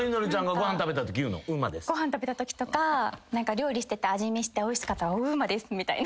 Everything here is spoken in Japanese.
ご飯食べたときとか料理してて味見しておいしかったら「ウーマです」みたいな。